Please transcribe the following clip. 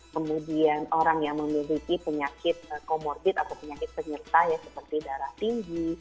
kemudian orang yang memiliki penyakit komorbid atau penyakit penyerta ya seperti darah tinggi